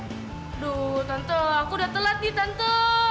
aduh tante aku udah telat nih tante